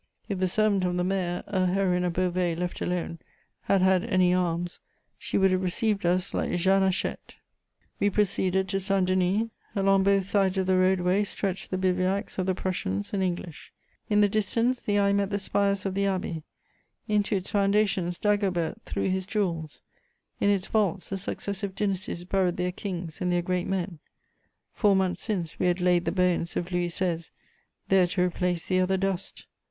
If the servant of the mayor, a Heroine of Beauvais left alone, had had any arms, she would have received us like Jeanne Hachette. [Sidenote: Saint Denis.] We proceeded to Saint Denis: along both sides of the road way stretched the bivouacs of the Prussians and English; in the distance, the eye met the spires of the abbey: into its foundations Dagobert threw his jewels, in its vaults the successive dynasties buried their kings and their great men; four months since, we had laid the bones of Louis XVI. there to replace the other dust.